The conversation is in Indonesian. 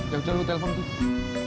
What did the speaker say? ya udah lu telpon tuh